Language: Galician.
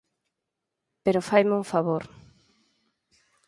Pero faime un favor.